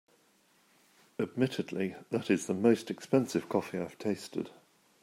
Admittedly, that is the most expensive coffee I’ve tasted.